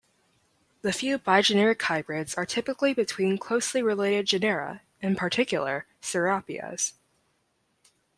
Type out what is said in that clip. The few bigeneric hybrids are typically between closely related genera, in particular "Serapias".